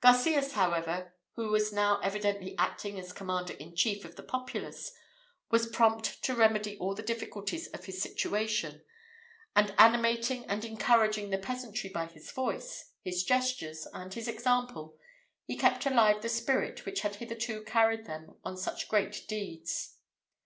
Garcias, however, who was now evidently acting as commander in chief of the populace, was prompt to remedy all the difficulties of his situation; and animating and encouraging the peasantry by his voice, his gestures, and his example, he kept alive the spirit which had hitherto carried them on to such great deeds.